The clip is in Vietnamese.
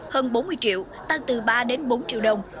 hơn bốn mươi triệu tăng từ ba đến bốn triệu đồng